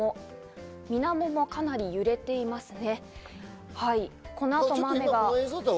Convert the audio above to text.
水面もかなり揺れていますね。